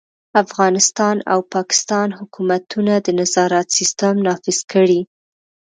افغانستان او پاکستان حکومتونه د نظارت سیستم نافذ کړي.